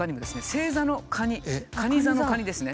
星座の「かに」かに座の「かに」ですね。